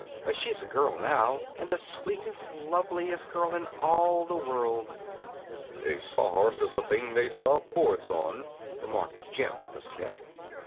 But she's a girl now, and the sweetest, loveliest girl in all the world." "A sawhorse is a thing they saw boards on," remarked Jim, with a sniff.